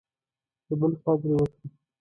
د بل قدر وکړه.